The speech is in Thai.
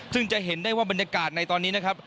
ซึ่งจะเห็นได้ว่าบรรยากาศในตอนนี้นะครับ